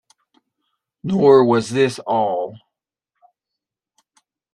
Nor was this all.